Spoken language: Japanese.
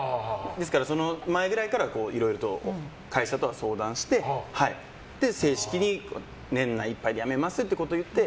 ですから、その前ぐらいからいろいろと会社とは相談して正式に年内いっぱいで辞めますということを言って